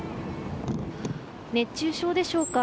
熱中症でしょうか。